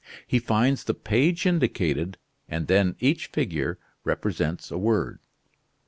He finds the page indicated, and then each figure represents a word."